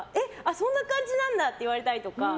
そんな感じなんだって言われたりとか。